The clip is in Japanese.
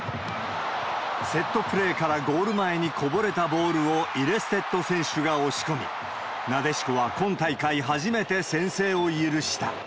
セットプレーからゴール前にこぼれたボールをイレステット選手が押し込み、なでしこは今大会、初めて先制を許した。